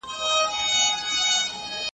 هلته ليري يوه ښار كي حكمران وو .